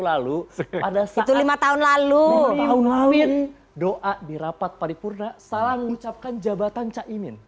lalu pada saat itu lima tahun lalu doa dirapat paripurna salah mengucapkan jabatan cah imin